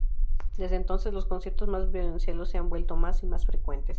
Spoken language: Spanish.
Desde entonces, los conciertos para violoncello se han vuelto más y más frecuentes.